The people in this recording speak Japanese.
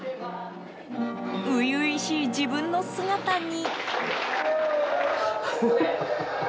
初々しい自分の姿に。